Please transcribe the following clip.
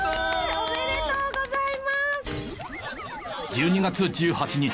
おめでとうございます！